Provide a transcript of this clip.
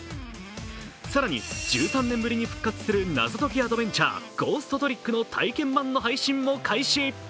更に１３年ぶりに復活する謎解きアドベンチャー「ゴーストトリック」の体験版の配信も開始。